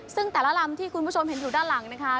ซึ่งแต่ละลำที่คุณผู้ชมเห็นอยู่ด้านหลังนะคะ